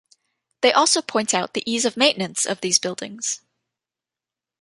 They also point out the ease of maintenance of these buildings.